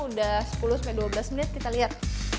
udah sepuluh sampai dua belas menit kita lihat